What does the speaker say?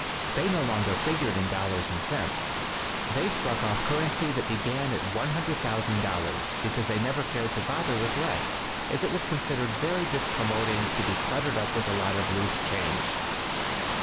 They no longer figured in dollars and cents. They struck off currency that began at $100,000, be cause they never cared to bother with less, as it v/as considered very discom moding to be cluttered up with a lot of loose change.